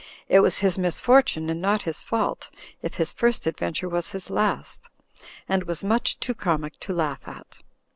It was his misfortune and not his fault if his first adventure was his last; and was much too comic to laugh at.